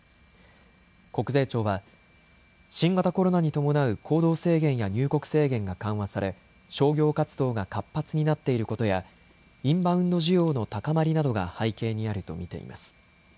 国税庁は新型コロナに伴う行動制限や入国制限が緩和され商業活動が活発になっていることやインバウンド需要の高まりなどが背景にあると見ています。